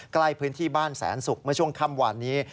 ใกล้พื้นที่บ้านแสนศุกร์เมื่อช่วงค่ำวานนี้